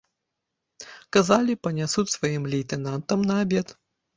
Казалі, панясуць сваім лейтэнантам на абед.